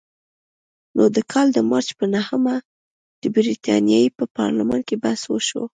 نو د کال د مارچ په نهمه د برتانیې په پارلمان کې بحث وشو.